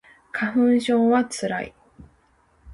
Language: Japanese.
花粉症はつらい